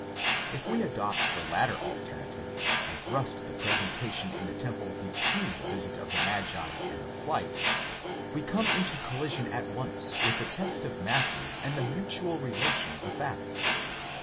If we adopt the latter alternative, and thrust the presentation in the temple between the visit of the magi and the flight, we come into collision at once with the text of Matthew and the mutual relation of the facts.